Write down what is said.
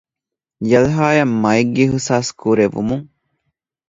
ޔަލްހާއަށް މައެއްގެ އިހްސާސް ކުރެވުމުން